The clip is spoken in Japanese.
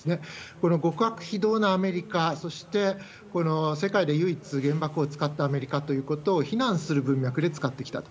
この極悪非道なアメリカ、そして世界で唯一原爆を使ったアメリカということを非難する文脈で使ってきたと。